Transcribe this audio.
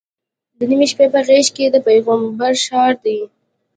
د نیمې شپې په غېږ کې د پیغمبر ښار دی.